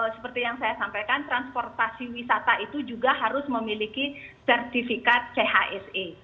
seperti yang saya sampaikan transportasi wisata itu juga harus memiliki sertifikat chse